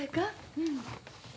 うん。